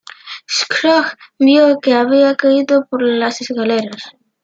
Scrooge vio que había caído por las escaleras.